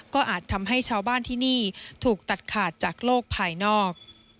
ก็อาจทำให้ชาวบ้านที่นี่ถูกตัดขาดจากโลกภายนอก